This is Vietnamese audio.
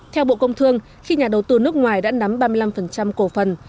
theo bộ công thương khi nhà đầu tư nước ngoài đã nắm ba mươi năm cổ phần